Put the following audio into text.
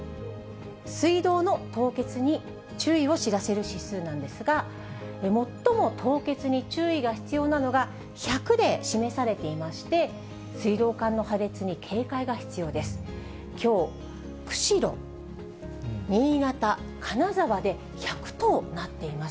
水道の凍結に注意を知らせる指数なんですが、もっとも凍結に注意が必要なのが、１００で示されていまして、水道管の破裂に警戒が必要です。